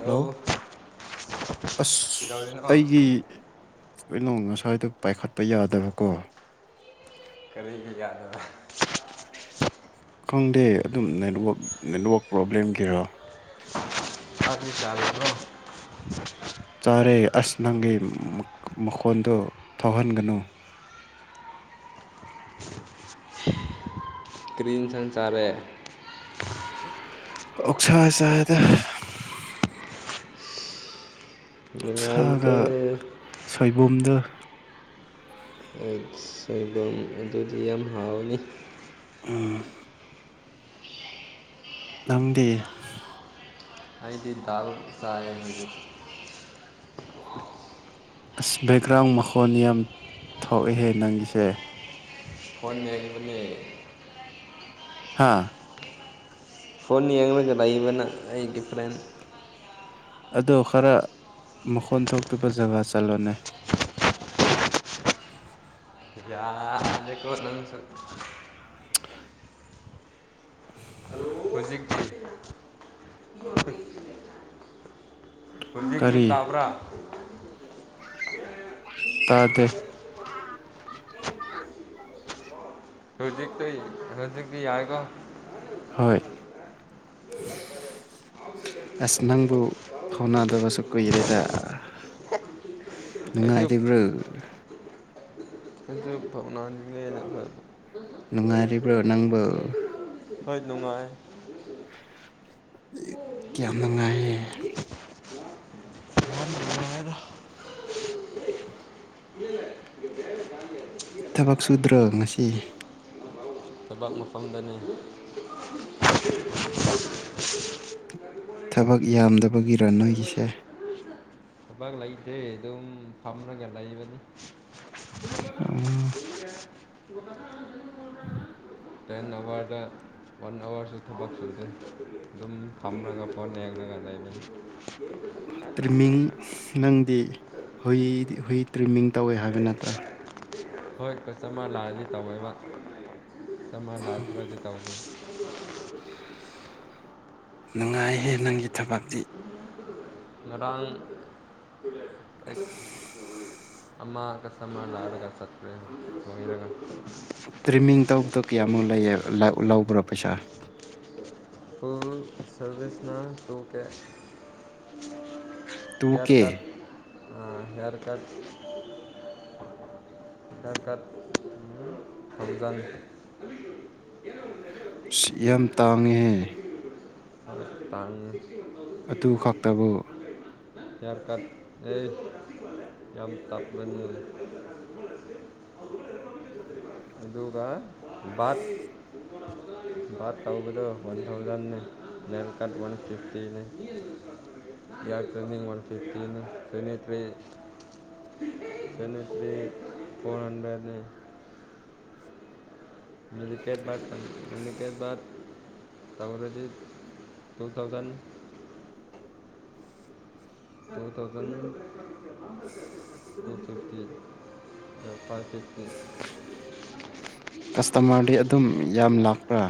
hello ꯑꯁ ꯑꯩꯒꯤ ꯀꯩꯅꯣ ꯉꯁꯥꯏꯗ ꯄꯥꯏꯈꯠꯄ ꯌꯥꯗꯕꯀꯣ ꯀꯣꯏ ꯀ ꯌꯥꯗꯣꯏ [unintelligible] ꯈꯪꯗꯦ ꯑꯗꯨꯝ ꯅꯦꯠꯋꯥꯛ -ꯅꯦꯠꯋꯥꯛ ꯄ꯭ꯔꯣꯕ꯭ꯂꯦꯝꯒꯤꯔꯥ ꯆꯥꯛꯇꯤ ꯆꯥꯔꯕ꯭ꯔꯣ [inaudible] ꯆꯥꯔꯦ ꯑꯁ ꯅꯪꯒꯤ ꯃꯈꯣꯟꯗꯨ ꯊꯣꯛꯍꯟꯒꯅꯨ ꯀꯔꯤ ꯏꯟꯁꯥꯡ ꯆꯥꯔꯦ ꯑꯣꯛꯁꯥ ꯆꯥꯔꯦꯗ ꯅꯨꯡꯉꯥꯏꯀꯣ ꯁꯥꯒ ꯁꯣꯏꯕꯨꯝꯗꯨ ꯁꯣꯏꯕꯨꯝ ꯑꯗꯨꯗꯤ ꯌꯥꯝ ꯍꯥꯎꯅꯤ ꯎꯝ ꯅꯪꯗꯤ ꯑꯩꯗꯤ ꯗꯥꯜ ꯆꯥꯏꯌꯦ ꯑꯁ ꯕꯦꯛꯒ꯭ꯔꯥꯎꯟ ꯃꯈꯣꯟ ꯌꯥꯝ ꯊꯣꯛꯑꯦꯍꯦ ꯅꯪꯒꯤꯁꯦ ꯐꯣꯟꯌꯦꯡꯕꯅꯦ ꯍꯥꯥ ꯐꯣꯟ ꯌꯦꯉꯒ ꯂꯏꯕꯅ ꯑꯩꯒꯤ ꯐ꯭ꯔꯦꯟꯖ ꯑꯗꯣ ꯈꯔ ꯃꯈꯣꯟ ꯊꯣꯛꯇꯕ ꯖꯒꯥ ꯆꯠꯂꯣꯅꯦ ꯌꯥꯏꯀꯣ ꯅꯪꯁꯨ [unintelligible] ꯍꯧꯖꯤꯛꯁꯨ ꯀꯔꯤ ꯇꯥꯕ꯭ꯔꯥ ꯇꯥꯗꯦ ꯍꯧꯖꯤꯛꯇ ꯍꯧꯖꯤꯛꯇꯤ ꯌꯥꯏꯀꯣ ꯍꯣꯏ ꯐ [unintelligible] ꯑꯁ ꯅꯪꯕꯨ ꯐꯥꯎꯅꯗꯕꯁꯨ ꯀꯨꯏꯔꯦꯗ ꯑꯩꯁꯨ ꯅꯨꯉꯥꯏꯔꯤꯕ꯭ꯔꯣ ꯑꯗꯨ ꯐꯥꯎꯅꯥ ꯐ [inaudible] ꯅꯨꯡꯉꯥꯏꯔꯤꯕ꯭ꯔꯣ ꯅꯪꯕꯨ ꯍꯣꯏ ꯅꯨꯡꯉꯥꯏ ꯀꯌꯥꯝ ꯅꯨꯡꯉꯥꯏꯌꯦ ꯃ ꯃꯗ [unintelligible] ꯊꯕꯛ ꯁꯨꯗ꯭ꯔꯣ ꯉꯁꯤ ꯇꯕꯥꯛ ꯃꯐꯝꯗꯅꯤ ꯊꯕꯛ ꯌꯥꯝꯗꯕꯒꯤ ꯔꯅꯣꯏꯁꯦ ꯊꯕꯛ ꯂꯩꯇꯦ ꯑꯗꯨꯝ ꯐꯝꯃꯒ ꯂꯩꯕꯅꯤ ꯎꯝ [inaudible] ꯎꯝ ꯇꯦꯟ ꯑꯋꯥꯔꯗ ꯋꯥꯟ ꯑꯋꯥꯔꯁꯨ ꯊꯕꯛ ꯁꯨꯗꯦ ꯑꯗꯨꯝ ꯈꯝꯂꯒ ꯐꯣꯟ ꯍꯦꯛꯉꯒ ꯂꯩꯃꯤꯅꯤ ꯇ꯭ꯔꯤꯃꯤꯡ ꯅꯪꯗꯤ ꯍꯨꯏ ꯍꯨꯏ ꯇ꯭ꯔꯤꯝꯃꯤꯡ ꯇꯧꯋꯦ ꯍꯥꯏꯕ ꯅꯠꯇ꯭ꯔꯥ ꯍꯣꯏ ꯆꯝꯃꯥ ꯂꯥꯛꯑꯗꯤ ꯇꯧꯋꯣꯏꯕꯝꯃ ꯂꯥ ꯈꯔꯗꯤ ꯇꯧꯦ ꯅꯨꯡꯉꯥꯏꯍꯦ ꯅꯪꯒꯤ ꯊꯕꯤ ꯃꯥꯡ [unintelligible] ꯑꯃꯃ ꯀꯁꯃ ꯂꯥꯔꯒ ꯆꯠꯦ ꯑꯣꯏꯔꯒ ꯇ꯭ꯔꯤꯃꯤꯡ ꯇꯧꯕꯗꯣ ꯀꯌꯥꯃꯨꯛ ꯂꯩꯌꯦ ꯂꯧꯕ꯭ꯔꯥ ꯄꯩꯁꯥ ꯇ ꯁꯔꯕꯤꯁꯅ ꯇꯨ ꯀꯦ ꯇꯨ ꯍꯦꯌꯔ ꯀꯦ ꯀꯠ ꯍꯦꯌꯔ ꯀꯠ ꯑꯙ ꯀꯥꯗ ꯍꯝꯖꯥꯟ ꯌꯥꯝ ꯇꯥꯡꯉꯦꯍꯦ ꯄ ꯇꯥꯡ ꯑꯗꯨ ꯈꯛꯇꯕꯨ ꯌꯥꯌꯥꯔ ꯀꯥꯗ ꯑꯦ ꯌꯥꯝ ꯇꯥꯄ꯭ꯔꯅꯤꯦ ꯑꯗꯨꯗꯒ ꯕꯥꯠ ꯕꯥꯠ ꯇꯧꯕꯗꯣ ꯋꯥꯟ ꯊꯥꯎꯖꯟꯅꯦ ꯅ ꯋꯥꯟ ꯐꯤꯐꯇꯤ ꯋꯥꯟ ꯐꯤꯇꯤ ꯭ꯔꯤ ꯁꯅꯦꯇ꯭ꯔꯤ ꯐꯣꯔ ꯍꯟꯗ꯭ꯔꯦꯠꯅꯤ ꯃꯀꯦ ꯃꯀꯦꯠ ꯇꯗꯤ two thousand two thousand fifty ꯄ ꯐꯤ [unintelligible] ꯀꯁꯇꯃꯔꯗꯤ ꯑꯗꯨꯝ ꯌꯥꯝ ꯂꯥꯛꯄ꯭ꯔꯥ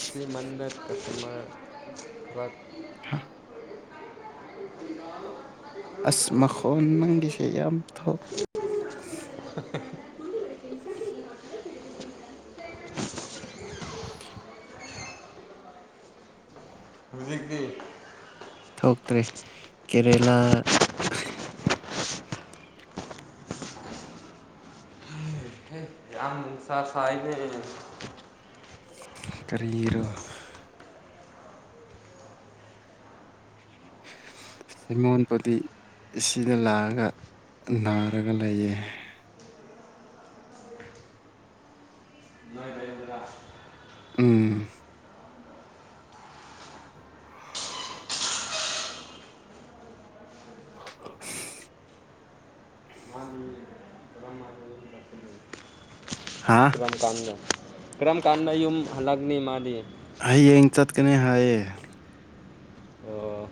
ꯁꯤꯃꯗꯔ ꯀꯁꯇꯃꯔ ꯍꯥꯥ ꯎꯣ ꯑꯁꯃꯈꯣꯟ ꯅꯪꯒꯤꯁ ꯌꯥꯝ ꯊꯣꯛ ꯎꯝ ꯍꯧꯖꯤꯀꯤ ꯊꯣꯛꯇ꯭ꯔꯦ ꯀꯦꯔꯦꯂꯥ ꯑ ꯁꯥ ꯐ ꯑꯥꯏꯗꯤ ꯀꯔꯤꯔꯣ [inaudible] ꯁꯤꯃꯣꯟꯄꯨꯗꯤ ꯁꯤꯗ ꯂꯥꯛꯑꯒ ꯅꯥꯔꯒ ꯂꯩꯌꯦ ꯎꯝ [inaudible] ꯍꯥꯥ ꯀꯥꯟꯗ ꯀ꯭ꯔꯝ ꯀꯥꯟꯗ ꯌꯨꯝ ꯍꯜꯂꯛꯅꯤ ꯃꯥꯗꯤ ꯍꯌꯦꯡ ꯆꯠꯀꯅꯤ ꯍꯥꯏꯌꯦ ꯑꯣ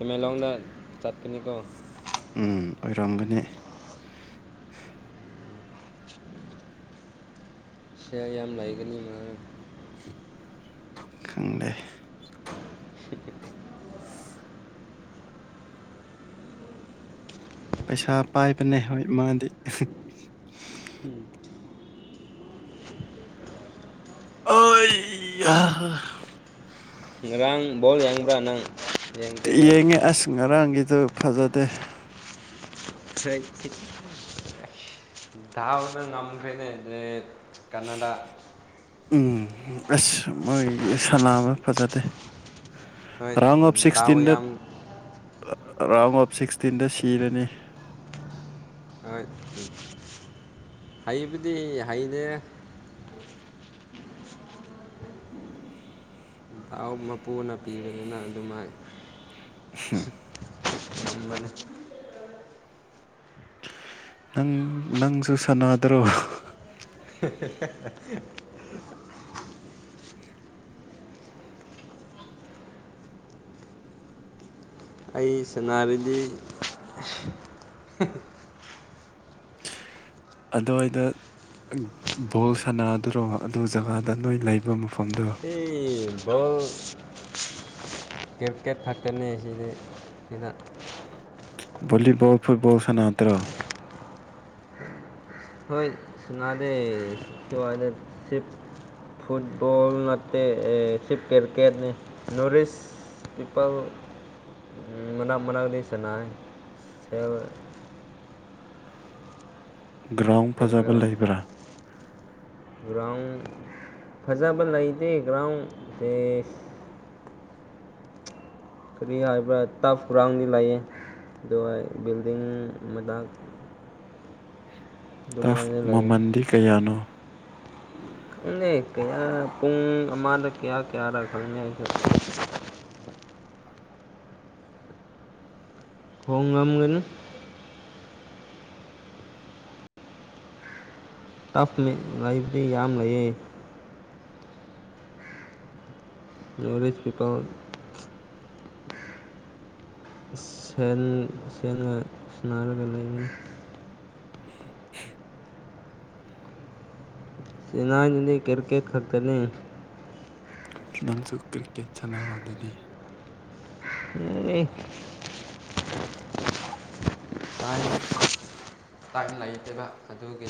ꯑꯦꯃꯦꯂꯣꯡꯗ ꯆꯠꯀꯅꯤꯀꯣ ꯎꯝ ꯑꯣꯏꯔꯝꯒꯅꯤ ꯁꯤ ꯌꯥꯝ ꯂꯩꯒꯅꯤ ꯃ ꯈꯪꯗꯦ ꯄꯩꯁꯥ ꯄꯥꯏꯕꯅꯦ ꯍꯣꯏ ꯃꯥꯗꯤ ꯑ ꯉꯔꯥꯡ ꯕꯣꯜ ꯌꯥꯡꯕ꯭ꯔꯥ ꯅꯪ ꯌꯦꯡꯗꯦꯀꯣ ꯌꯦꯡꯉꯦ ꯑꯁ ꯉꯔꯥꯡꯒꯤꯗꯨ ꯐꯖꯗꯦ ꯁ ꯗ ꯉꯝꯈ꯭ꯔꯣꯏꯅꯦ ꯀꯅꯥꯗꯥ ꯎꯝ ꯑꯁ ꯃꯣꯏ ꯁꯂ ꯑꯃ ꯐꯖꯗꯦ ꯍꯣꯏ ꯔꯥꯎꯉ ꯑꯣꯐ ꯗꯥꯎ ꯁꯤꯛꯁꯇꯤꯟꯗꯦꯠ ꯌꯥꯝ ꯔꯥꯎꯟ ꯑꯣꯞ ꯁꯤꯛꯁꯇꯤꯟꯗ ꯁꯤꯔꯅꯤ ꯑ ꯍꯩꯕꯨꯗꯤ ꯍꯩꯅꯦ ꯥꯎ ꯃꯄꯨꯅ ꯄꯤꯕꯅꯤꯅ ꯑꯗꯨꯝꯥꯏ ꯏꯝꯕꯅꯤ ꯅꯪ ꯅꯪꯁꯨ ꯁꯥꯟꯅꯗ꯭ꯔꯣ [unintelligible] ꯑꯩ ꯁꯟꯅꯥꯔꯗꯤ ꯑꯗꯨꯋꯥꯏꯗ ꯕꯣꯜ ꯁꯥꯟꯅꯗꯨꯔꯣ ꯑꯗꯨ ꯖꯒꯥꯗ ꯅꯣꯏ ꯂꯩꯕ ꯃꯐꯝꯗꯣ ꯕ ꯀ꯭ꯔꯤꯀꯦꯠ ꯐꯛꯇꯅꯤ ꯑꯁꯤꯗꯤ ꯁꯤꯗ ꯂꯤꯕꯜ ꯐꯨꯠꯕꯜ ꯁꯅꯇ꯭ꯔ ꯍꯣꯏ ꯁꯅꯥꯗꯦ ꯀ ꯋꯥꯗꯦ ꯁꯤꯞ ꯐꯨꯠꯕꯣꯜ ꯅꯠꯇꯦ ꯁꯤ ꯀ꯭ꯔꯤꯀꯦꯠꯅꯤ ꯅꯨꯔꯤꯁ ꯄꯤꯄꯜ ꯃꯅꯥ ꯃꯅꯥꯗꯤ ꯁꯅꯥꯏꯦꯜ ꯒ꯭ꯔꯥꯎꯟ ꯐꯖꯕ ꯇꯤꯡꯂꯒ ꯂꯩꯕ꯭ꯔꯥ ꯒ꯭ꯔꯥꯎꯟ ꯐꯖꯕ ꯂꯩꯇꯦ ꯒ꯭ꯔꯥꯎꯟꯦ ꯀꯔꯤ ꯍꯥꯏꯕ꯭ꯔꯥ ꯇꯞ ꯍꯨꯔꯥꯡꯗꯤ ꯂꯥꯛꯑ ꯕꯤꯜꯗꯤꯡ ꯃꯗꯥꯥꯛ ꯇꯐ ꯃꯃꯟꯗꯤ ꯀꯌꯥꯅꯣ ꯅꯦ ꯀꯌꯥ ꯄꯨꯡ ꯑꯃꯗ ꯀꯌꯥ ꯀꯌꯥꯔ ꯈꯪꯉꯦ ꯍꯣꯡ ꯉꯝꯒꯅꯤ ꯇꯐꯃꯦ ꯂꯩꯕꯗꯤ ꯌꯥꯝ ꯂꯩꯌꯦꯦ ꯌꯧꯔꯤꯁ ꯄꯤꯄꯥꯎ ꯁ ꯁꯒ ꯁꯅꯥꯔꯒ ꯂꯩꯅꯤ ꯏꯅꯥꯖꯅꯤ ꯀꯔꯤꯀꯦꯠ ꯈꯔꯤꯗꯅ ꯃꯟꯁꯨꯨ ꯀ꯭ꯀꯦꯠ ꯁꯂꯋꯥꯗꯗꯤ ꯑ [unintelligible] ꯇꯥꯛ ꯂꯩꯈꯤꯕ ꯑꯗꯨꯒꯤ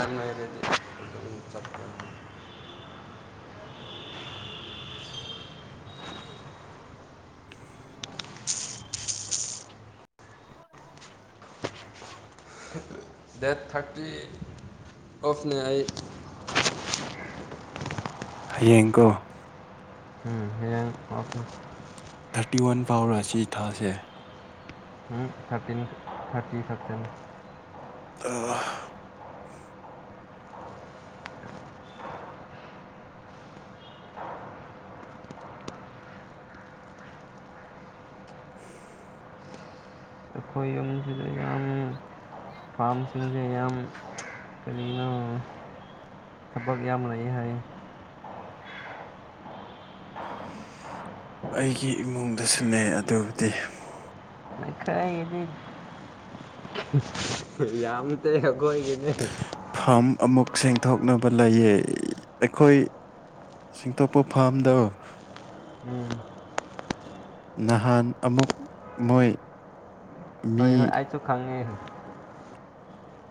ꯑꯗꯤ ꯆꯠ [unintelligible] [unintelligible] ꯗꯦꯠ ꯊꯥꯔꯇꯤ ꯑꯣꯐꯅꯦ ꯑꯩ ꯍꯌꯦꯡꯀꯣ ꯎꯝ ꯍ ꯌꯥ ꯊꯥꯔꯇꯤ ꯋꯥꯟ ꯐꯥꯎꯔ ꯁꯤ ꯊꯥꯁꯦ ꯗꯦꯠ ꯊꯥꯔꯇꯤ ꯑꯣꯐꯅꯦ ꯑꯩ ꯎꯝ ꯍꯌꯦꯡ ꯑꯣꯐꯅꯤ ꯎꯝ ꯊꯥꯔꯇꯤꯟ ꯊꯥꯔꯇꯤ ꯐꯦꯞꯇꯦꯟ ꯑꯗꯨ ꯑꯩꯈꯣꯏ ꯌꯨꯝꯁꯤꯗ ꯌꯥꯝ ꯐꯥꯝꯁꯤꯡꯁꯌꯥꯝꯝ ꯀ ꯅꯅ ꯊꯕꯛ ꯌꯥꯝ ꯂꯩ ꯍꯥꯏ ꯑꯩꯒꯤ ꯏꯃꯨꯡꯗꯁꯨꯅꯦ ꯑꯗꯨꯕꯨꯗꯤ ꯗꯤ ꯌꯥꯝ ꯒꯣꯏꯒꯤꯅꯤ ꯐꯥꯝ ꯑꯃꯨꯛ ꯁꯦꯡꯗꯣꯛꯅꯕ ꯂꯩꯌꯦ ꯑꯩꯈꯣꯏ ꯁꯤꯡꯇꯣꯛꯄ ꯐꯥꯝꯗ ꯎꯝ ꯅꯍꯥꯟ ꯑꯃꯨꯛ ꯃꯣꯏ ꯍꯣꯏ ꯃꯤ ꯍꯣꯏ ꯑꯩꯁꯨ ꯈꯪꯉꯦ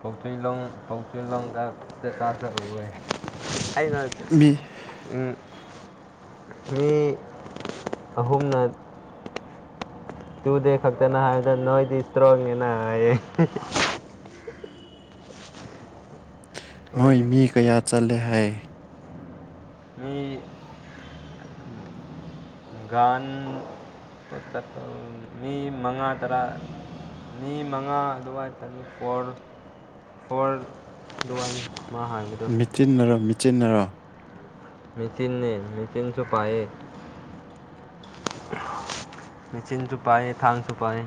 ꯄꯣꯛꯆꯂꯣꯡ ꯄꯣꯛꯆꯂꯣꯡꯗ ꯇꯥꯇ ꯑꯣꯏꯦ ꯑ ꯃꯤ ꯎꯝ ꯃꯤ ꯑꯍꯨꯝꯅ ꯇꯨꯗ ꯐꯛꯛꯇ ꯅ ꯍꯥꯏ ꯅꯣꯣꯏꯗꯤ ꯏꯁꯇ꯭ꯔꯣꯅꯦꯅ ꯑꯣꯏꯣꯏꯗꯤ ꯆꯂꯦ ꯍꯥꯏ ꯃꯤ ꯥꯟ ꯄꯨꯁꯛ ꯃꯤ ꯃꯉꯥ ꯇꯔꯥ ꯃꯤ ꯃꯉꯥ ꯑꯗꯨꯒꯋꯥ ꯇꯔꯨ ꯐꯣꯔ ꯐꯣꯔ ꯑꯗꯨꯒꯅꯤ ꯃꯤꯠꯆꯤꯟꯅꯔ ꯃꯤꯠꯆꯤꯟꯅꯔ ꯃꯦꯁꯤꯤꯟ ꯅ ꯃꯤꯦꯁꯤꯤꯟꯁꯨꯣꯄꯥꯑ ꯃꯦꯆꯤꯟ ꯆꯨꯄꯥꯏ ꯊꯥꯡꯥꯡ ꯊꯨꯄꯥꯏ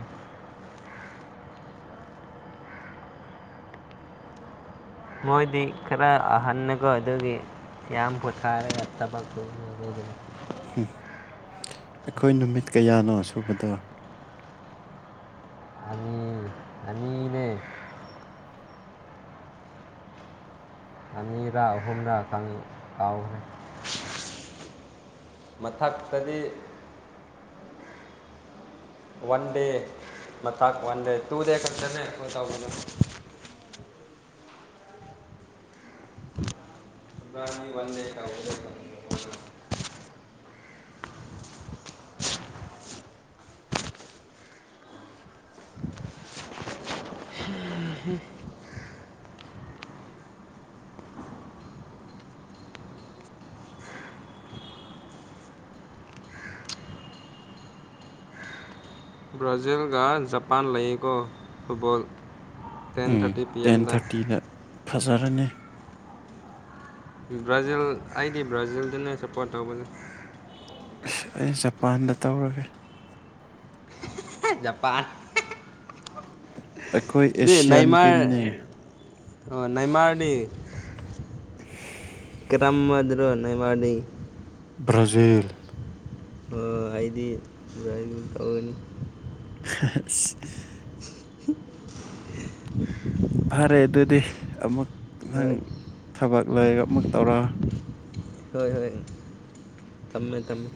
ꯃꯣꯏꯗꯤ ꯈꯔ ꯑꯍꯟꯅꯀꯣ ꯑꯗꯨꯒꯤ ꯀ ꯄꯨꯊꯥꯔꯦ ꯇ ꯎ ꯑꯩꯈꯣꯏ ꯅꯨꯃꯤꯠ ꯀꯌꯥꯅꯣ ꯁꯨꯕꯗꯣ ꯑꯅꯤ ꯑꯅꯤꯅꯦ ꯎ ꯑꯅꯤ ꯔꯥ ꯍꯨꯝꯅ ꯈꯉꯏ ꯑꯥꯎꯍ ꯃꯊꯛꯇꯗꯤ ꯋꯥꯟ ꯗꯦ ꯃ ꯋꯥꯟ ꯗꯦ ꯇꯨ ꯗꯦ ꯈꯇꯅꯦ ꯇ ꯇꯧꯕꯣ ꯕꯥꯅꯤ ꯋꯥꯟꯗꯦ ꯀꯗ ꯕ꯭ꯔꯥꯖꯤꯜꯒ ꯖꯄꯥꯟ ꯂꯩꯌꯦꯀꯣ ꯐꯨꯠꯕꯣꯜ ꯇꯦꯟ ꯎꯝ ꯊꯥꯔꯇꯤ ꯄꯤ ꯇꯦꯟ ꯑꯦꯝꯗ ꯊꯥꯔꯇꯤꯗ ꯐꯖꯔꯅꯤ ꯕ꯭ꯔꯥꯖꯤꯜ ꯑꯩꯗꯤ ꯕ꯭ꯔꯥꯖꯤꯜꯗꯨꯅ ꯁꯞꯄꯣꯔꯠ ꯇꯧꯕꯁꯦ ꯑꯁ ꯑꯩ ꯖꯄꯥꯟꯗ ꯇꯧꯔꯒꯦ ꯖꯄꯥꯟ ꯑꯩꯈꯣꯏ ꯗꯤ ꯑꯦꯁꯤꯌꯥꯟ ꯅꯦꯃꯥꯔ ꯇꯤꯝꯅꯦ ꯑꯣ ꯅꯦꯃꯥꯔꯗꯤ ꯇꯝꯃꯗꯨ꯭ꯔꯣ ꯅꯦꯋꯥꯗꯤ ꯭ꯔꯖꯤꯜ ꯑꯣ ꯑꯩꯗꯤ ꯑꯗꯨꯥꯏ ꯑꯗꯨ ꯇꯧꯒꯅꯤ [unintelligible] [inaudible] ꯐꯔꯦ ꯑꯗꯨꯗꯤ ꯑꯃꯨꯛ ꯅꯪ ꯍꯣꯏ ꯊꯕꯛ ꯂꯩꯒ ꯑꯃꯨꯛ ꯇꯧꯔ ꯍꯣꯏ ꯍꯣꯏ ꯊꯝꯃꯦ ꯇꯝꯃꯦ